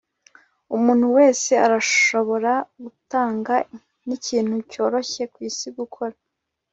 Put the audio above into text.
umuntu wese arashobora gutanga; nikintu cyoroshye kwisi gukora